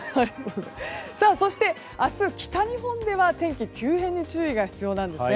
そして、明日北日本では天気急変に注意が必要です。